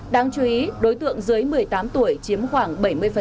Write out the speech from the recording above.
đáng chú ý đối tượng dưới một mươi tám tuổi chiếm khoảng bảy mươi